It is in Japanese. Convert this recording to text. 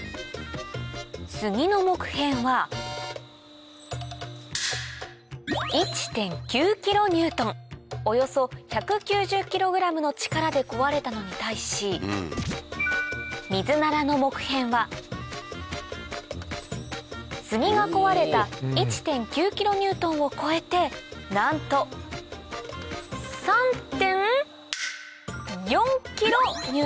スギの木片はおよそ１９０ｋｇの力で壊れたのに対しミズナラの木片はスギが壊れた１．９ｋＮを超えてなんと３．４ｋＮ